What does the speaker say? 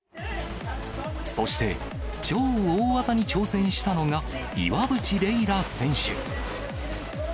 そして、超大技に挑戦したのが岩渕麗楽選手。